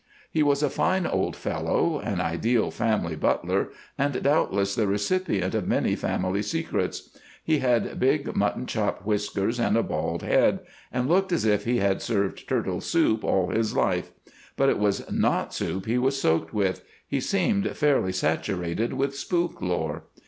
He was a fine old fellow, an ideal family butler, and doubtless the recipient of many family secrets. He had big mutton chop whiskers and a bald head, and looked as if he had served turtle soup all his life; but it was not soup he was soaked with—he seemed fairly saturated with spook lore.